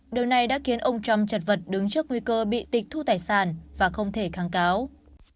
điều này đã khiến ông trump chật vật đứng trước nguy cơ bị tịch thu tài sản và không thể kháng cáo